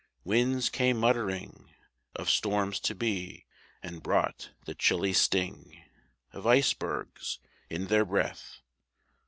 Winds came muttering Of storms to be, and brought the chilly sting Of icebergs in their breath.